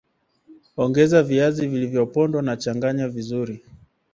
Ongeza viazi vilivyopondwa na changanya vizuri